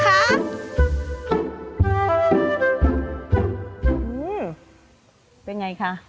เป็นอย่างไรคะ